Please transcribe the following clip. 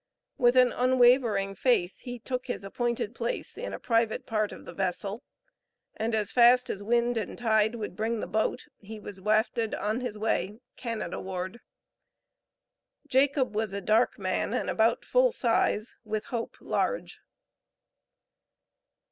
With an unwavering faith he took his appointed place in a private part of the vessel, and as fast as wind and tide would bring the boat he was wafted on his way Canada ward. Jacob was a dark man, and about full size, with hope large.